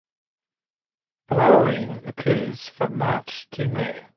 Flowering occurs from March to May.